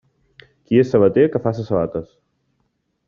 Qui és sabater que faça sabates.